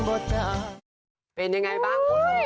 โอ้โฮเสียงดี